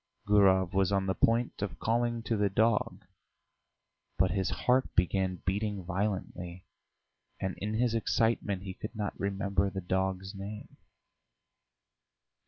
Gurov was on the point of calling to the dog, but his heart began beating violently, and in his excitement he could not remember the dog's name.